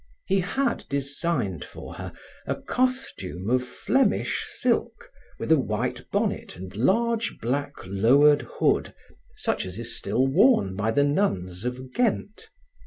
He had designed for her a costume of Flemish silk with a white bonnet and large, black, lowered hood, such as is still worn by the nuns of Ghent.